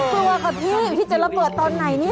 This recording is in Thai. ตัวกับพี่ที่จะระเบิดตอนไหนนี่